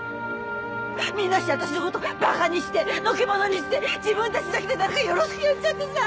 みんなして私のことばかにしてのけ者にして自分たちだけで何かよろしくやっちゃってさ。